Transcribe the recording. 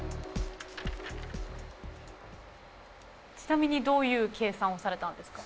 ちなみにどういう計算をされたんですか？